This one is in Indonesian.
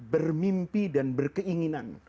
bermimpi dan berkeinginan